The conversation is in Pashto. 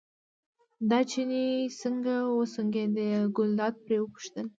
دا چيني څنګه وسونګېد، ګلداد پرې وپوښتل.